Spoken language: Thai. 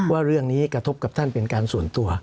ว่าเรื่องนี้กระทบกับท่านเป็นการส่วนตัว